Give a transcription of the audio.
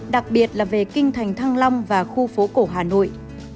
đặc biệt là về kinh thành thăng long và khu phố cổ hà nội